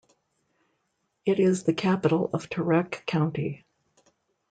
It is the capital of Turek County.